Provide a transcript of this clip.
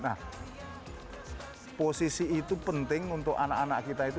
nah posisi itu penting untuk anak anak kita itu